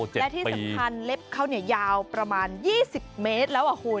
และที่สำคัญเล็บเขายาวประมาณ๒๐เมตรแล้วคุณ